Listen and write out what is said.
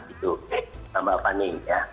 itu pak fani